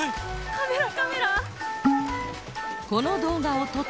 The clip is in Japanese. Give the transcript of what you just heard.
カメラカメラ！